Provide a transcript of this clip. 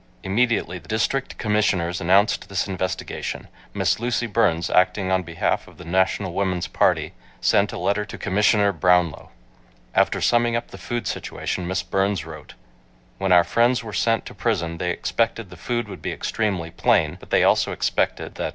Immediately the District Commissioners announced this investigation, Miss Lucy Burns, acting on behalf of the National Woman's Party, sent a letter to Commissioner Brownlow. After summing up the food situation Miss Burns wrote: When our friends were sent to prison, they expected the food would be extremely plain, but they also expected that ..